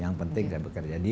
yang penting saya bekerja